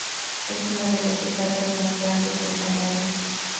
Es una de las estatuas más grandes de Canarias.